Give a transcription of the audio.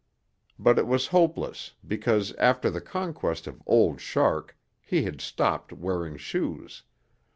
But it was hopeless because after the conquest of Old Shark he had stopped wearing shoes.